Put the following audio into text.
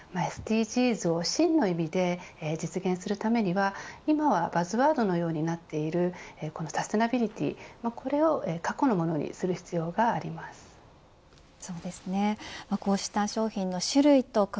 ＳＤＧｓを真の意味で実現するためには今はバズワードのようになっているサステナビリティ、これを過去のものにする必要があります。